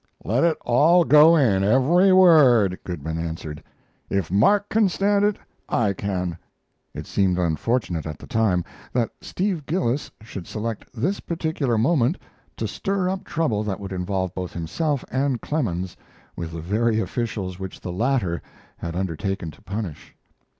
"Let it all go in, every word," Goodman answered. "If Mark can stand it, I can!" It seemed unfortunate (at the time) that Steve Gillis should select this particular moment to stir up trouble that would involve both himself and Clemens with the very officials which the latter had undertaken to punish.